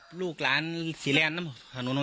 เบื้องต้นข้อหาคือบุกรุกเคหะสดหาในเวลากลางคืน